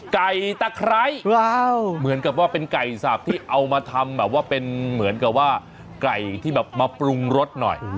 ไก่ตะไคร้ว้าวเหมือนกับว่าเป็นไก่สับที่เอามาทำแบบว่าเป็นเหมือนกับว่าไก่ที่แบบมาปรุงรสหน่อย